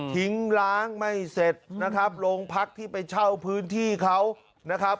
ล้างไม่เสร็จนะครับโรงพักที่ไปเช่าพื้นที่เขานะครับ